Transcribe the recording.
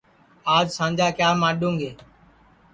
آج سانجا کیا ماڈُؔں گے